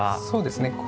そうですね。